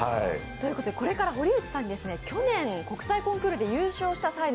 これから堀内さんに去年、国際コンクールで優勝した際の